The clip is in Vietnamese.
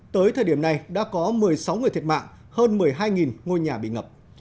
tới thời điểm này đã có một mươi sáu người thiệt mạng hơn một mươi hai ngôi nhà bị ngập